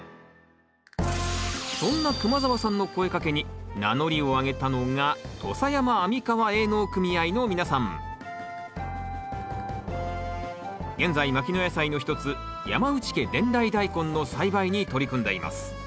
そんな熊澤さんの声かけに名乗りを上げたのが現在牧野野菜の一つ山内家伝来大根の栽培に取り組んでいます。